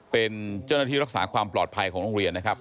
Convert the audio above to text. เป็นเจ้าหน้าที่รักษาความปลอดภัยของโรงเรียนนะครับ